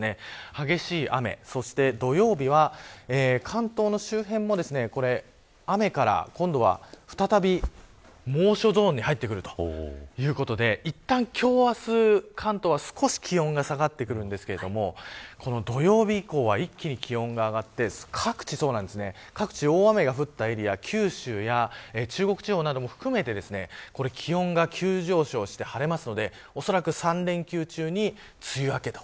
激しい雨、そして土曜日は関東の周辺も雨から今度は再び猛暑ゾーンに入ってくるということでいったん今日、明日関東は少し気温が下がってくるんですけれどもこの土曜日以降は一気に気温が上がって各地大雨が降ったエリア、九州や中国地方なども含めて気温が急上昇して晴れますのでおそらく３連休中に梅雨明けと。